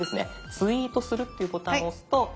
「ツイートする」ってボタンを押すと。